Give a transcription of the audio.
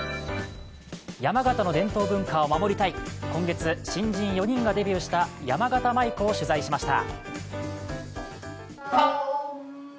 山形の伝統文化を守りたい、今月新人４人がデビューしたやまがた舞子を取材しました。